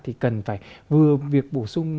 thì cần phải vừa việc bổ sung